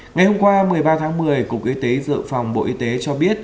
ngày hôm qua một mươi ba tháng một mươi cục y tế dự phòng bộ y tế cho biết